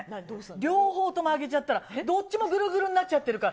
両方とも揚げちゃったらどっちもぐるぐるになっちゃってるから。